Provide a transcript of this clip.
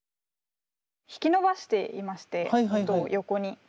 引き伸ばしていまして音を横に。